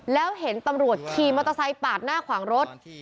แล้วเห็นตำรวจขี่มอเตอร์ไซค์ปาดหน้าขวางรถ